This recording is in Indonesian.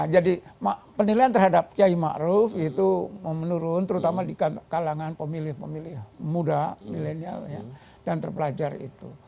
jadi penilaian terhadap kiai ma'ruf itu menurun terutama di kalangan pemilih pemilih muda milenial yang terpelajar itu